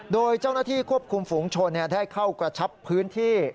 โดยเจ้าหน้าที่ควบคุมฝูงชนได้เข้ากระชับพื้นที่